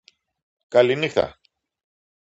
καληνυχτα